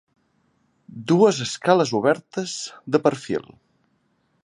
Dues escales obertes, de perfil.